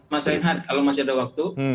mas reinhardt kalau masih ada waktu